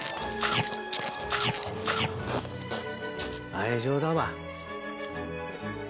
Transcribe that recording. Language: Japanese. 愛情だわ。